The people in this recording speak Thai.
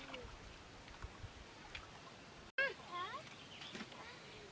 ไงพอดูเดี๋ยวช่วยก้องก่อน